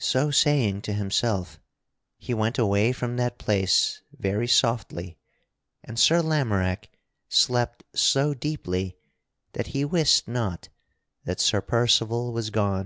So saying to himself, he went away from that place very softly, and Sir Lamorack slept so deeply that he wist not that Sir Percival was gone.